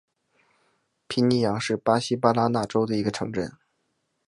皮尼扬是巴西巴拉那州的一个市镇。